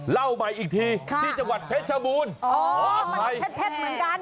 เล่าใหม่อีกทีที่จังหวัดเพชรชบูรน์